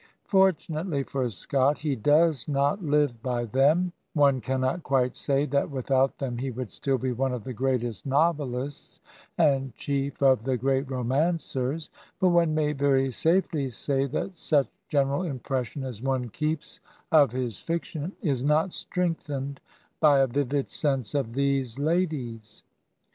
Fortunately for Scott, he does not live by them ; one cannot quite say that without them he would still be one of the greatest novelists, and chief of the great romancers; but one may very safely say that such general impression as one keeps of his fiction is not strengthened by a vivid sense of these ladies.